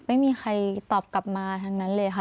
ไม่มีใครตอบกลับมาทั้งนั้นเลยค่ะ